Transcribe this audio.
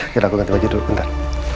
gila aku ganti baju dulu bentar